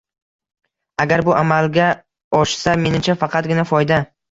Agar bu amalga oshsa menimcha faqatgina foyda.